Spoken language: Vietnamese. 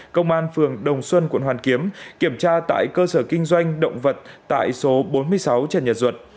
công an phường đồng xuân quận hoàn kiếm kiểm tra tại cơ sở kinh doanh động vật tại số bốn mươi sáu trần nhật duật